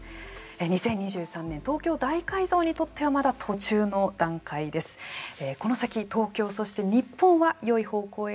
２０２３年東京大改造にとってはまだ途中の段階です。